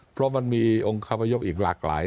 เพราะมันมีองค์คาพยพอีกหลากหลาย